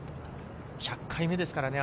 １００回目ですからね。